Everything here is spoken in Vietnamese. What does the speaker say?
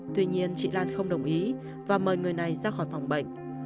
tuy nhiên chị lan không đồng ý và mời người này ra khỏi phòng bệnh